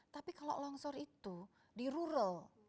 tapi kalau longsor itu di rural